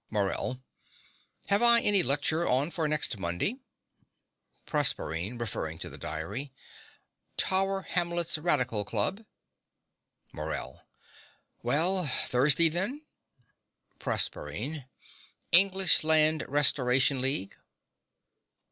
MORELL. Have I any lecture on for next Monday? PROSERPINE (referring to diary). Tower Hamlets Radical Club. MORELL. Well, Thursday then? PROSERPINE. English Land Restoration League.